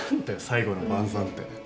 「最後の晩餐」って。